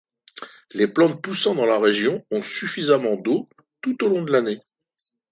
Les plantes poussant dans la région ont suffisamment d'eau tout au long de l'année.